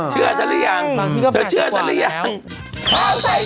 เชื่อฉันหรือยังเชื่อฉันหรือยังอืมบางทีก็แปดสิบกว่าแล้ว